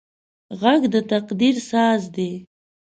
غږ د تقدیر ساز دی